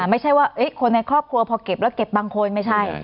ไม่ใช่ว่าคนในครอบครัวพอเก็บแล้วเก็บบางคนไม่ใช่